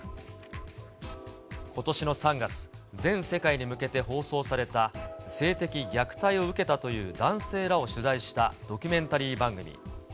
ことしの３月、全世界に向けて放送された、性的虐待を受けたという男性らを取材したドキュメンタリー番組。